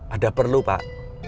ada perlu pak